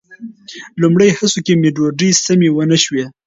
لومړني هڅو کې مې ډوډۍ سمې ونه شوې.